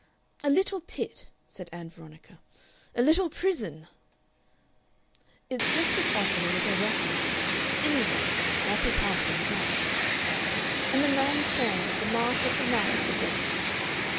"A little pit!" said Ann Veronica; "a little prison!" "It's just as often a little refuge. Anyhow, that is how things are." "And the man stands as the master at the mouth of the den."